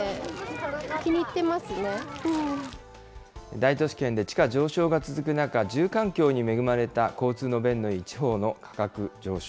大都市圏で地価上昇が続く中、住環境に恵まれた交通の便のいい地方の価格上昇。